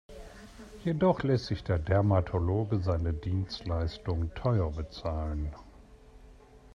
Jedoch lässt sich der Dermatologe seine Dienstleistung teuer bezahlen.